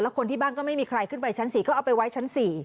คนที่บ้านก็ไม่มีใครขึ้นไปชั้น๔ก็เอาไปไว้ชั้น๔